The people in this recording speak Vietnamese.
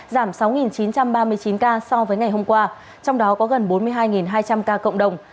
giảm sáu chín trăm ba mươi chín ca so với ngày hôm qua trong đó có gần bốn mươi hai hai trăm linh ca cộng đồng